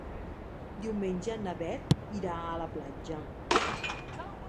Diumenge na Bet irà a la platja.